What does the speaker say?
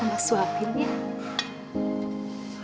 mama suapin ya